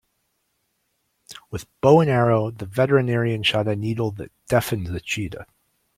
With bow and arrow the veterinarian shot a needle that deafened the cheetah.